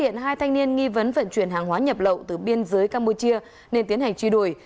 nhập lậu từ biên giới campuchia nên tiến hành truy đuổi